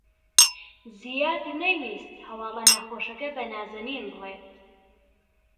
زیاد نەیویست هەواڵە ناخۆشەکە بە نازەنین بڵێت.